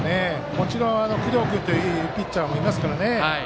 もちろん工藤君というピッチャーもいますから。